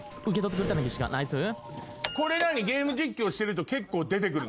これゲーム実況してると結構出て来るの？